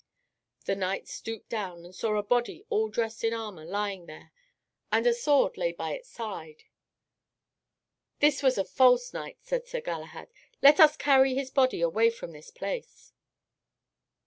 The knight stooped down and saw a body all dressed in armor lying there, and a sword lay by its side. "This was a false knight," said Sir Galahad. "Let us carry his body away from this place."